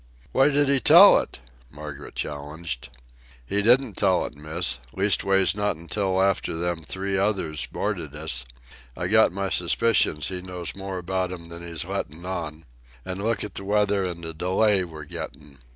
"Why did he tell it?" Margaret challenged. "He didn't tell it, Miss—leastways, not until after them three others boarded us. I got my suspicions he knows more about 'm than he's lettin' on. An' look at the weather an' the delay we're gettin'.